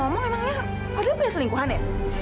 emangnya pak dia punya selingkuhan ya